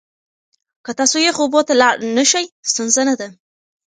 که تاسو یخو اوبو ته لاړ نشئ، ستونزه نه ده.